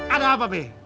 ada apa be